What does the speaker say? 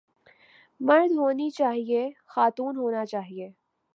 مرد ہونی چاہئے خاتون ہونا چاہئے